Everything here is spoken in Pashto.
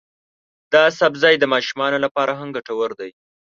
دا سبزی د ماشومانو لپاره هم ګټور دی.